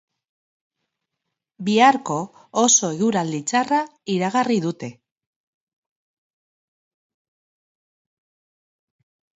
Biharko oso eguraldi txarra iragarri dute